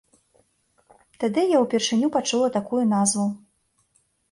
Тады я ўпершыню пачула такую назву.